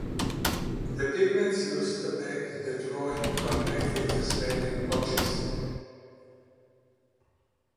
The pigments used to make the drawing are native Tasmanian ochres.